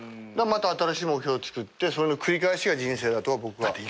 また新しい目標つくってそれの繰り返しが人生だと僕は。